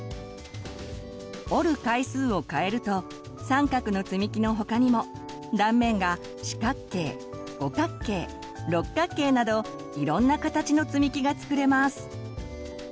折る回数を変えると三角のつみきの他にも断面が四角形五角形六角形などいろんな形のつみきが作れます。